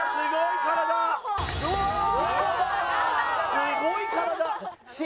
すごい体。